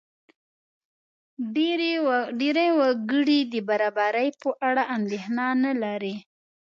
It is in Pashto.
ډېری وګړي د برابرۍ په اړه اندېښنه نه لري.